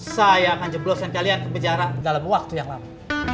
saya akan jebloskan kalian ke penjara dalam waktu yang lama